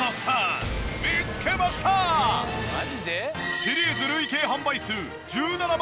シリーズ累計販売数１７万